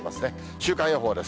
週間予報です。